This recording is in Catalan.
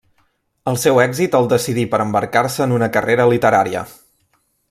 El seu èxit el decidí per embarcar-se en una carrera literària.